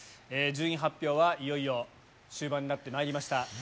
順位発表はいよいよ終盤になってまいりました。